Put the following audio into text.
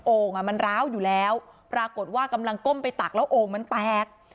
อ่ะมันร้าวอยู่แล้วปรากฏว่ากำลังก้มไปตักแล้วโอ่งมันแตก